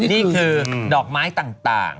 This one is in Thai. นี่คือดอกไม้ต่าง